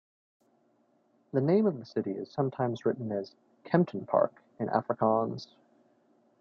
The name of the city is sometimes written as "Kemptonpark" in Afrikaans.